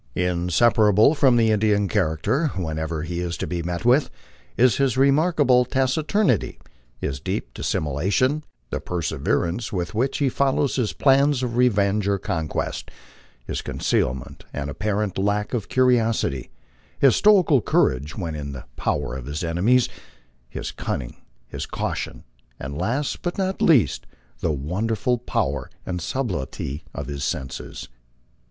Inseparable from the Indian character, wherever he is to be met with, is his remarkable taciturnity, his deep dissimulation, the perseverance with which he follows his plans of revenge or conquest, his concealment and apparent lack of curiosity, his stoical courage when in the power of his enemies, his cunning, his caution, and last, but not least, the wonderful power and subtlety of his senses.